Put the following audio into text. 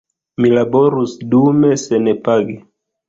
Mi laborus dume senpage.